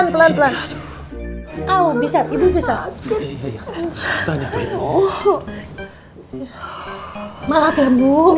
pelan pelan ibu pelan pelan